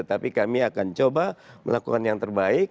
tapi kami akan coba melakukan yang terbaik